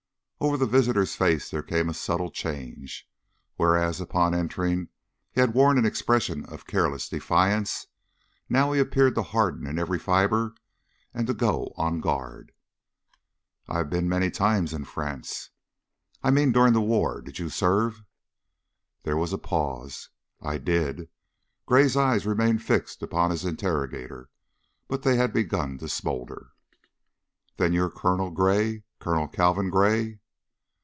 Over the visitor's face there came a subtle change. Whereas, upon entering, he had worn an expression of careless defiance, now he appeared to harden in every fiber and to go on guard. "I have been many times in France." "I mean during the war. Did you serve?" There was a pause. "I did." Gray's eyes remained fixed upon his interrogator, but they had begun to smolder. "Then you're Colonel Gray. Colonel Calvin Gray."